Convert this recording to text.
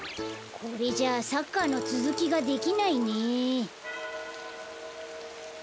これじゃサッカーのつづきができないね。